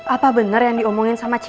apa bener yang diomongin sama ci